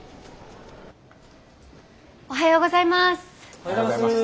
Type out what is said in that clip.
おはようございます！